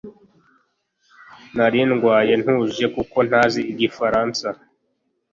Nari ndwaye ntuje kuko ntazi igifaransa